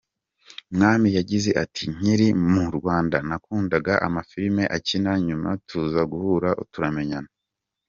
Mwamini yagize ati” Nkiri mu Rwanda, nakundaga amafilime akina, nyuma tuza guhura, turamenyana.